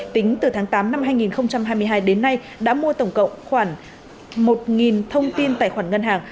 tính từ tháng tám năm hai nghìn hai mươi hai đến nay đã mua tổng cộng khoảng một thông tin tài khoản ngân hàng